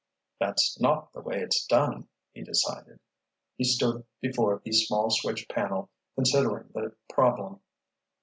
"That's not the way it's done," he decided. He stood before the small switch panel, considering the problem.